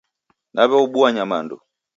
Naw'eobua nyamandu